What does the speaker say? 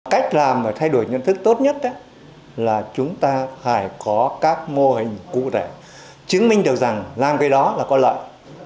cách làm và thay đổi nhận thức tốt nhất là chúng ta phải có các mô hình cụ thể chứng minh được rằng làm cái đó là có lợi